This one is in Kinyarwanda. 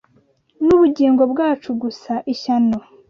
Nubugingo bwacu gusa ishyano!